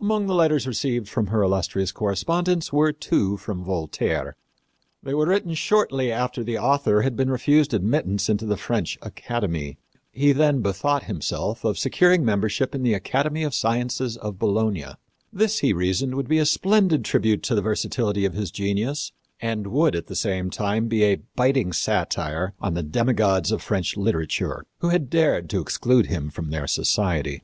Among the letters received from her illustrious correspondents were two from Voltaire. They were written shortly after the author had been refused admittance into the French academy. He then bethought himself of securing membership in the Academy of Sciences of Bologna. This, he reasoned, would be a splendid tribute to the versatility of his genius and would, at the same time, be a biting satire on the demigods of French literature who had dared to exclude him from their society.